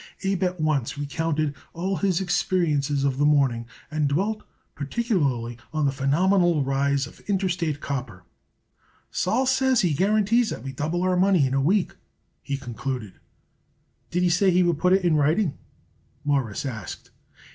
Abe at once recounted all his experiences of the morning and dwelt particularly on the phenomenal rise of Interstate Copper. "Sol says he guarantees that we double our money in a week," he concluded. "Did he say he would put it in writing?" Morris asked.